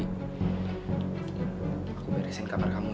aku beresin kamar kamu